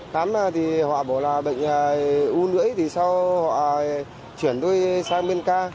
khám thì họ bảo là bệnh u lưỡi thì sau họ chuyển tôi sang bên ca